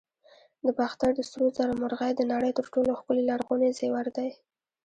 د باختر د سرو زرو مرغۍ د نړۍ تر ټولو ښکلي لرغوني زیور دی